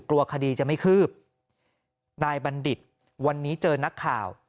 กลัวคดีจะไม่คืบนายบัณฑิตวันนี้เจอนักข่าว